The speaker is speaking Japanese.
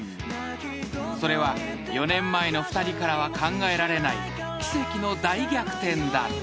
［それは４年前の２人からは考えられない奇跡の大逆転だった］